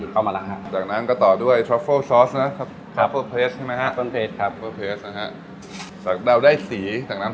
กล่อง